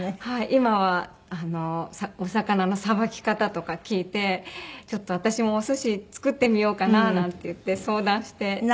今はお魚のさばき方とか聞いて「ちょっと私もお寿司作ってみようかな」なんて言って相談して。